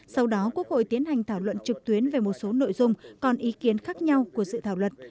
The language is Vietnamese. sau đó quốc hội tiến hành thảo luận trực tuyến về một số nội dung còn ý kiến khác nhau của dự thảo luật